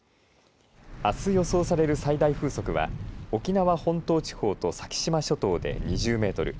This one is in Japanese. あす予想される最大風速は沖縄本島地方と先島諸島で２０メートル